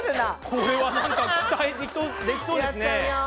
これはなんか期待できそうですね。